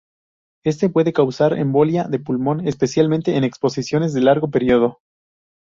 Este puede causar embolia de pulmón, especialmente en exposiciones de largo periodo.